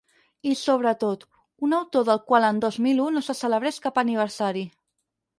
I sobretot, un autor del qual en dos mil u no se celebrés cap aniversari.